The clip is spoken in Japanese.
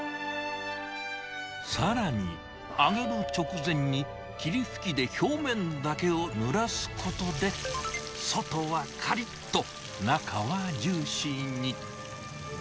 さらに、揚げる直前に霧吹きで表面だけをぬらすことで、外はかりっと、中はジューシーに。